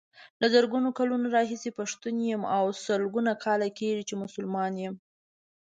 له زرګونو کلونو راهيسې پښتون يم او سلګونو کاله کيږي چې مسلمان يم.